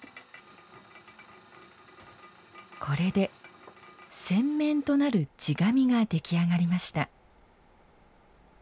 これで扇面となる地紙が出来上がりました。